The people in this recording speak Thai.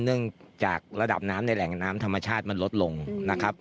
เนื่องจากระดับน้ำในแหล่งน้ำธรรมชาติมันลดลงนะครับ